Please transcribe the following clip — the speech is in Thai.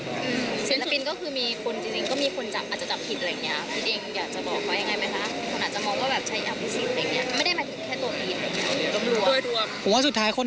เศรษฐฺษ์ก็คือมีคนจริง